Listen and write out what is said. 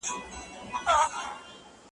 ¬ غلبېل کوزې ته ول سورۍ.